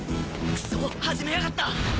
クソ始めやがった。